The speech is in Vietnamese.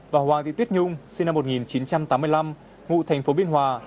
và hoàng thị tuyết nhung sinh năm một nghìn chín trăm tám mươi năm ngụ thành phố biên hòa